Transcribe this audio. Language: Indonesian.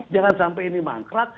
jangan sampai ini mangkrak